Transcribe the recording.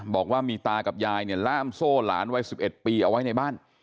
บอกว่ามีตากับยายเนี่ยล่ามโซ่หลานวัย๑๑ปีเอาไว้ในบ้าน